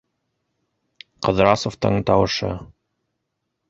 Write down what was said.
Ҡыҙрасовтың тауышы.